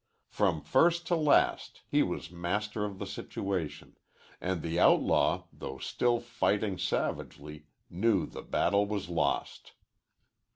From first to last he was master of the situation, and the outlaw, though still fighting savagely, knew the battle was lost.